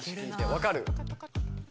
分かる？